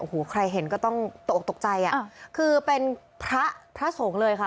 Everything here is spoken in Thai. โอ้โหใครเห็นก็ต้องตกตกใจอ่ะคือเป็นพระพระสงฆ์เลยค่ะ